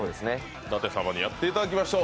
舘様にやっていただきましょう。